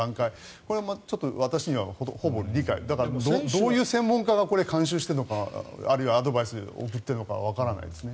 これはちょっと私には理解どういう専門家が監修してるのかあるいはアドバイスを送っているのかわからないですね。